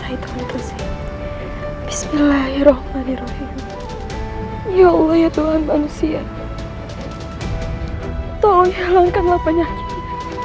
ya allah ya tuhan manusia tolong yelangkanlah penyakit